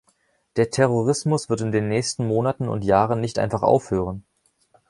Der Terrorismus wird in den nächsten Monaten und Jahren nicht einfach aufhören.